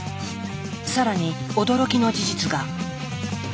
更に驚きの事実が。